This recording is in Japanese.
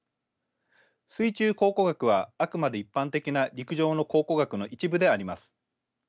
水中考古学はあくまで一般的な陸上の考古学の一部であります。